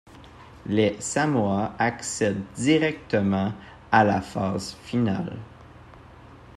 Les Samoa accèdent directement à la phase finale.